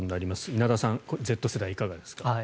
稲田さん、Ｚ世代いかがですか。